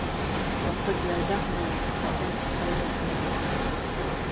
Батыр яуҙа һынала, сәсән дауҙа һынала.